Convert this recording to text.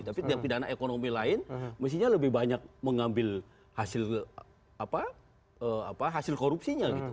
tapi tindak pidana ekonomi lain mestinya lebih banyak mengambil hasil korupsinya gitu